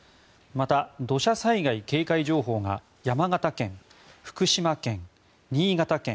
また、土砂災害警戒情報が山形県、福島県、